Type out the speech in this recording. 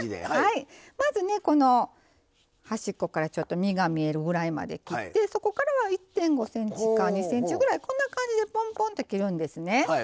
まず、端っこから身が見えるぐらいまで切ってそこからは１．５ｃｍから２ｃｍくらいこんな感じでぽんぽんって切るんですね。